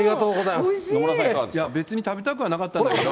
いや、別に食べたくはなかったんだけど。